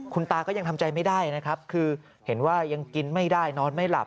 คุณตาก็ยังทำใจไม่ได้นะครับคือเห็นว่ายังกินไม่ได้นอนไม่หลับ